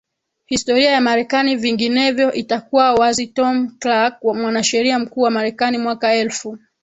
historia ya Marekani Vinginevyo itakuwa waziTom Clark Mwanasheria Mkuu wa Marekani mwaka elfu